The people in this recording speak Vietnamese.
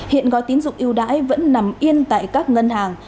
hiện gói tín dụng yêu đãi vẫn nằm yên tại các ngân hàng